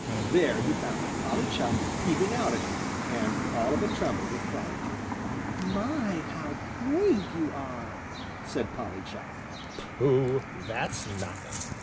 There he found Polly Chuck peeping out at him, and all of a tremble with fright. "My, how brave you are!" said Polly Chuck. "Pooh, that's nothing!"